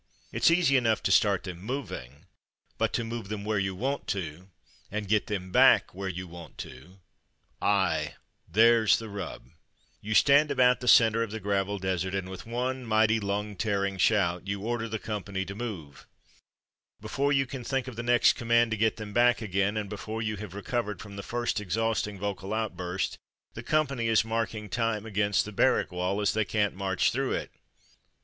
It's easy enough to start them moving, but to move them where you want to, and get them back where you want to, ''aye, there's the rub." You stand about the centre of the gravel desert and, with one mighty lung tearing shout, you order the company to move. Before you can think of the next command to get them back again, and before you have A Disciplinarian Major 35 recovered from the first exhausting vocal outburst, the company is ''marking time'' against the barrack wall, as they can't march through it.